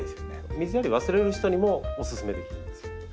水やり忘れる人にもおすすめできるんですよ。